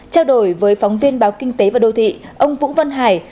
trao đổi với phóng viên báo kinh tế và đô thị ông vũ văn hải